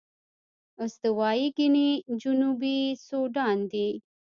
استوايي ګيني جنوبي سوډان دي.